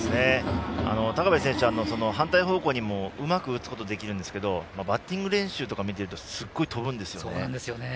高部選手は反対方向にもうまく打つことができるんですがバッティング練習を見ているとすごく飛ぶんです。